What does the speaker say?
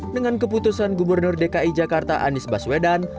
dengan keputusan gubernur dki jakarta anies baswedan